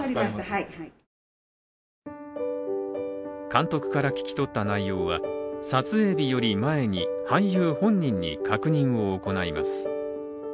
監督から聞き取った内容は撮影日より前に俳優本人に確認を行います。